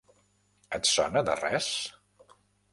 Et sona de res?